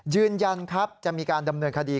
ยืนยันครับจะมีการดำเนินคดี